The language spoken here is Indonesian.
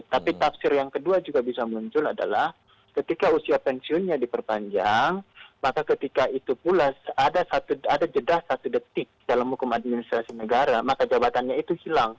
tapi tafsir yang kedua juga bisa muncul adalah ketika usia pensiunnya diperpanjang maka ketika itu pula ada jeda satu detik dalam hukum administrasi negara maka jabatannya itu hilang